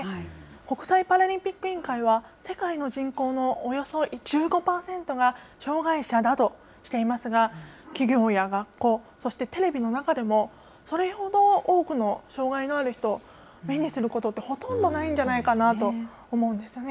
国際パラリンピック委員会は、世界の人口のおよそ１５％が障害者だとしていますが、企業や学校、そしてテレビの中でも、それほど多くの障害のある人、目にすることってほとんどないんじゃないかなと思うんですね。